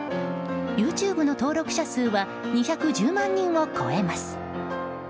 ＹｏｕＴｕｂｅの登録者数は２１０万人を超えます。